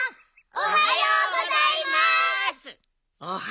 おはようございます。